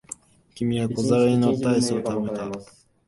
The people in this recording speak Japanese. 君は小皿に乗ったアイスを食べた。